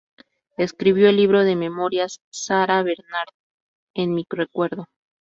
Escribió el libro de memorias "Sarah Bernhardt en mi recuerdo"